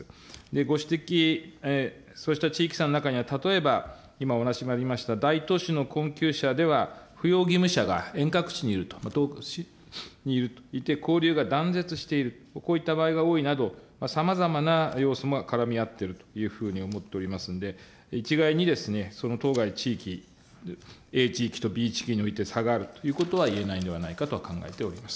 ご指摘、そうした地域差の中には例えば、今、お話がありました大都市の困窮者では、扶養義務者が遠隔地にいると、交流が断絶している、こういった場合が多いなど、さまざまな要素も絡み合ってるというふうに思っておりますので、一概にその当該地域、Ａ地区とＢ地区において差があるということはいえないんではないかと考えております。